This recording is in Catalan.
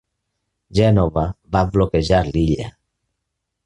Gènova va bloquejar l'illa.